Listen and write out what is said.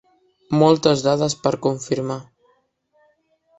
Moltes dades per confirmar.